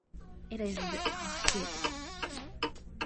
It isn't a hit.